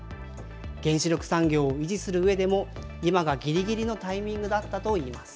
原子力産業を維持するうえでも、今がぎりぎりのタイミングだったといいます。